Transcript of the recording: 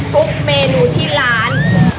ทุกเมนูที่ร้าน